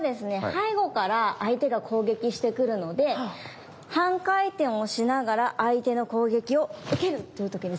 背後から相手が攻撃してくるので半回転をしながら相手の攻撃を受けるっていう時に使ってきます。